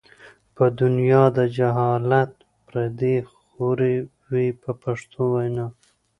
په دنیا د جهالت پردې خورې وې په پښتو وینا.